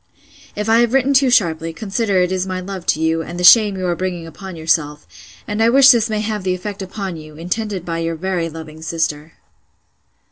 'If I have written too sharply, consider it is my love to you, and the shame you are bringing upon yourself; and I wish this may have the effect upon you, intended by your very loving sister.